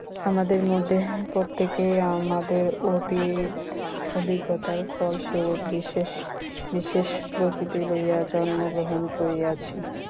আমাদের মধ্যে প্রত্যেকেই আমাদের অতীত অভিজ্ঞতার ফলস্বরূপ বিশেষ বিশেষ প্রকৃতি লইয়া জন্মগ্রহণ করিয়াছি।